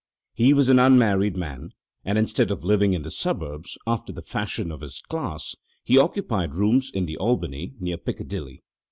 He was an unmarried man, and instead of living in the suburbs, after the fashion of his class, he occupied rooms in the Albany, near Piccadilly.